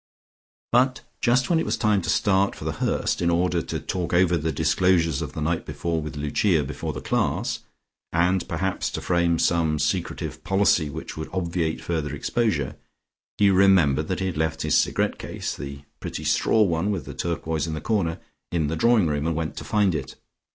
But just when it was time to start for The Hurst in order to talk over the disclosures of the night before with Lucia before the class, and perhaps to frame some secretive policy which would obviate further exposure, he remembered that he had left his cigarette case (the pretty straw one with the turquoise in the corner) in the drawing room and went to find it.